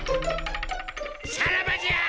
さらばじゃ！